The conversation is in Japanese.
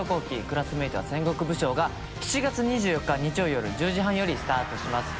クラスメイトは戦国武将ー」が祁遑横監日曜よる１０時半よりスタートします。